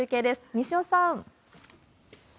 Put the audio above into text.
西尾さん。